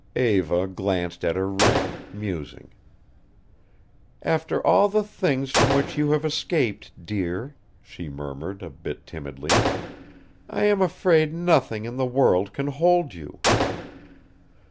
Eva glanced at her ring, musing. "After all the things from which you have escaped, dear," she murmured, a bit timidly, "I am afraid nothing in the world can hold you."